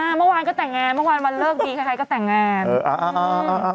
เมื่อวานก็แต่งงานเมื่อวานวันเลิกดีใครก็แต่งงาน